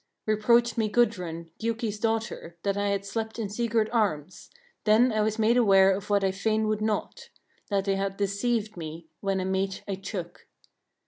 13. Reproached me Gudrun, Giuki's daughter, that I had slept in Sigurd's arms; then was I made aware of what I fain would not, that they had deceived me, when a mate I took.